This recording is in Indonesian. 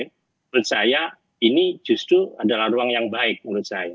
menurut saya ini justru adalah ruang yang baik menurut saya